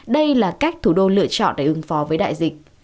đây là cách thủ đô lựa chọn để ứng phó với đại dịch